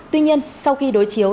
tuy nhiên sau khi đối chiếu